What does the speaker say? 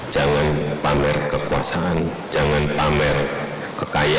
jangan pamer kekuasaan jangan pamer kekayaan